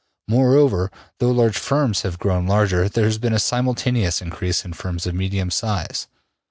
Moreover, though large firms have grown larger, there has been a simultaneous increase in firms of medium size.